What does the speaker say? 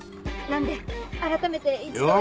なんで改めて一度。